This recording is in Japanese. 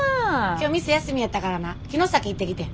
今日店休みやったからな城崎行ってきてん。